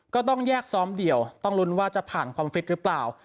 ก็ต้องแยกซ้อมเดี่ยวต้องลุ้นว่าจะผ่านความฟิตหรือเปล่า